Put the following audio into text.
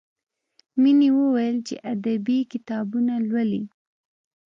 مینې وویل چې ادبي کتابونه لولي